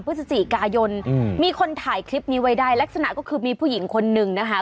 พฤศจิกายนมีคนถ่ายคลิปนี้ไว้ได้ลักษณะก็คือมีผู้หญิงคนนึงนะคะ